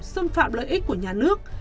xâm phạm lợi ích của nhà nước